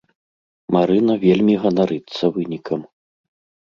Марына вельмі ганарыцца вынікам.